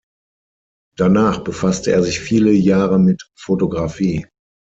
Danach befasste er sich viele Jahre mit Fotografie.